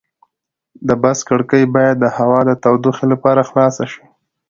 د بس کړکۍ باید د هوا د تودوخې لپاره خلاصې شي.